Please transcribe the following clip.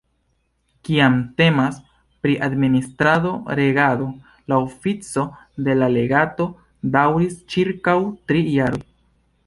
Kiam temas pri administrado-regado, la ofico de la legato daŭris ĉirkaŭ tri jaroj.